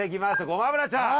ごま油ちゃん！